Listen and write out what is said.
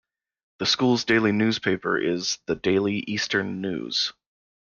The school's daily newspaper is The Daily Eastern News.